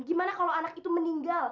gimana kalau anak itu meninggal